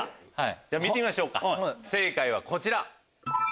じゃあ見てみましょうか正解はこちら。